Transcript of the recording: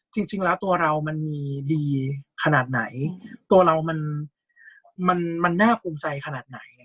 จริงแล้วตัวเรามันมีดีขนาดไหนตัวเรามันน่าภูมิใจขนาดไหน